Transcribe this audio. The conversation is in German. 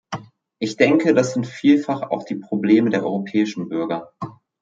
Ich denke, das sind vielfach auch die Probleme der europäischen Bürger.